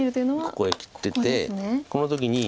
ここへ切っててこの時に。